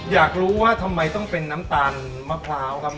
อยากรู้ว่าทำไมต้องเป็นน้ำตาลมะพร้าวครับ